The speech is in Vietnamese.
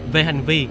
về hành vi